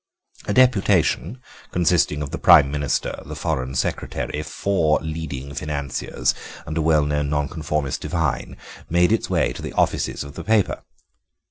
A deputation, consisting of the Prime Minister, the Foreign Secretary, four leading financiers, and a well known Nonconformist divine, made its way to the offices of the paper.